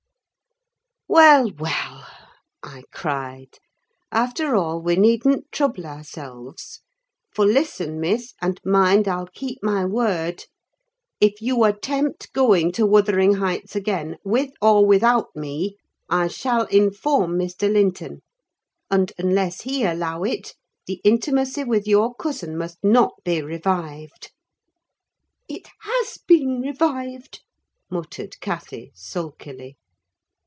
"Well, well," I cried, "after all, we needn't trouble ourselves; for listen, Miss,—and mind, I'll keep my word,—if you attempt going to Wuthering Heights again, with or without me, I shall inform Mr. Linton, and, unless he allow it, the intimacy with your cousin must not be revived." "It has been revived," muttered Cathy, sulkily.